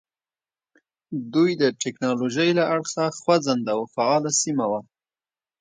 دوی د ټکنالوژۍ له اړخه خوځنده او فعاله سیمه وه.